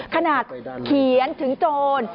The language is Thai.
ขนาดเขียนถึงโจร